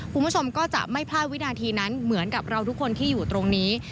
คุณผู้ชมก็จะไม่พลาดวินาทีนั้นเหมือนกับเราทุกคนที่อยู่ตรงนี้